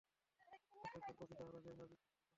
প্রত্যেকবার কফি খাওয়ার আগে এভাবে বীজগুলো চূর্ণ করেন?